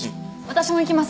私も行きます。